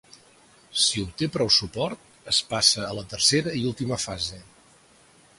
Si obté prou suport, es passa a la tercera i última fase.